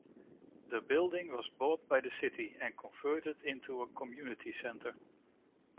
The building was bought by the city and converted into a community centre.